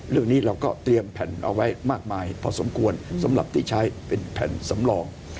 เรื่องนี้เราก็เตรียมแผ่นเอาไว้มากมายพอสมควรสำหรับที่ใช้เป็นแผ่นสำรอง